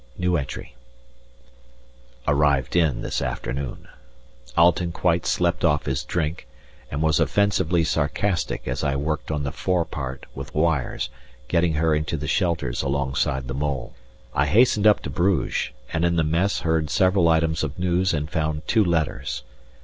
Arrived in, this afternoon. Alten quite slept off his drink, and was offensively sarcastic as I worked on the forepart with wires, getting her into the shelters alongside the mole. I hastened up to Bruges, and in the Mess heard several items of news and found two letters.